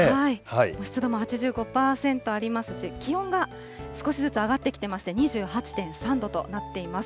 もう湿度も８５％ありますし、気温が少しずつ上がってきてまして、２８．３度となっています。